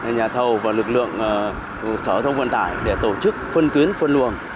nhà thầu và lực lượng sở thông vận tải để tổ chức phân tuyến phân luồng